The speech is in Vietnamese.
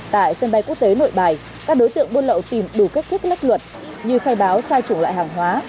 tại sân bay quốc tế nội bài các đối tượng buôn lậu tìm đủ kết thúc lắc luật như khai báo sai chủng loại hàng hóa